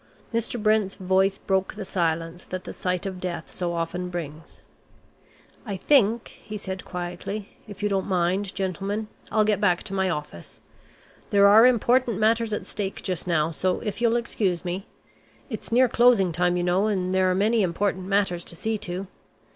Mr. Brent's voice broke the silence that the sight of death so often brings. "I think," he said quietly, "if you don't mind, gentlemen, I'll get back to my office. There are important matters at stake just now, so if you'll excuse me It's near closing time you know, and there are many important matters to see to.